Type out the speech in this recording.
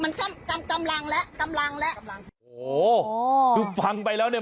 มันกำกำลังแล้วกำลังแล้วโอ้คือฟังไปแล้วเนี้ย